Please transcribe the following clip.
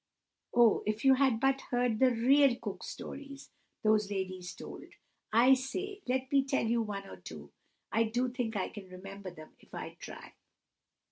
Oh! if you had but heard the real Cook Stories those ladies told! I say, let me tell you one or two—I do think I can remember them, if I try."